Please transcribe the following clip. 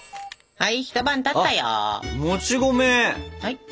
はい。